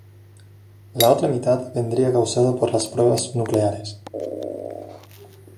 La otra mitad vendría causada por las pruebas nucleares.